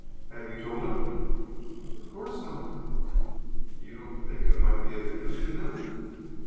"Have you told him?" "Of course not." "You don't think it might be of interest to him?"